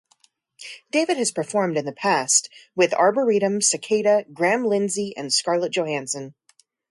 David has performed in the past with Arbouretum, Cicaeda, Graham Lindsey, and Scarlett Johansson.